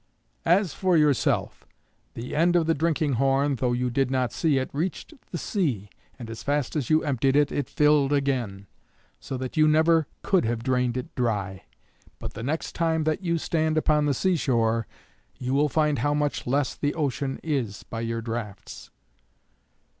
"As for yourself, the end of the drinking horn, though you did not see it, reached the sea, and as fast as you emptied it, it filled again, so that you never could have drained it dry. But the next time that you stand upon the seashore, you will find how much less the ocean is by your draughts.